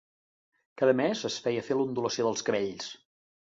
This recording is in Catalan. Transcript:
Cada mes es feia fer l'ondulació dels cabells.